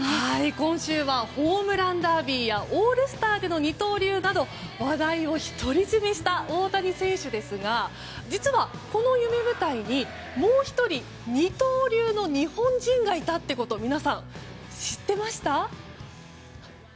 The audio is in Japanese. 今週はホームランダービーやオールスターでの二刀流など話題を一人占めした大谷選手ですが実は、この夢舞台にもう１人、二刀流の日本人がいたということを皆さん、知ってました？